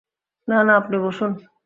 না না, আপনি বসুন।